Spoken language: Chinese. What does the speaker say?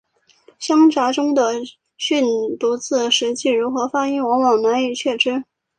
乡札中的训读字实际如何发音往往难以确知。